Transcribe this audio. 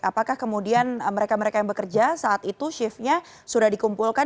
apakah kemudian mereka mereka yang bekerja saat itu shiftnya sudah dikumpulkan